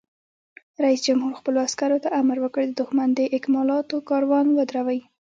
رئیس جمهور خپلو عسکرو ته امر وکړ؛ د دښمن د اکمالاتو کاروان ودروئ!